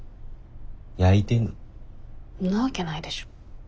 んなわけないでしょ。